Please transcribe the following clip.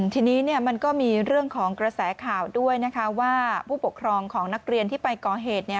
ทีนี้มันก็มีเรื่องของกระแสข่าวด้วยนะคะว่าผู้ปกครองของนักเรียนที่ไปก่อเหตุ